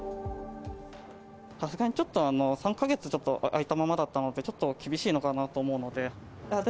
さすがにちょっと、３か月開いたままだったので、ちょっと厳しいのかなと思うので。